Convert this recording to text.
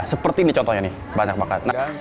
seperti ini contohnya nih banyak banget